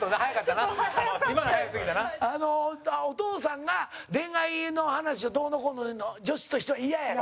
さんま：お父さんが恋愛の話をどうのこうの言うの女子としてはイヤやろ？